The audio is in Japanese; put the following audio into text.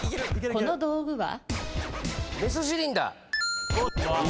この道具は？